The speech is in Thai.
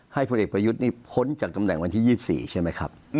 ให้พวกเด็กประยุทธ์นี่พ้นจากกำแหน่งวันที่๒๔ใช่มั้ยครับ